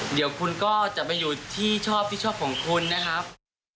เดี๋ยวคุณก็จะไปอยู่ที่ชอบที่ชอบของคุณนะครับ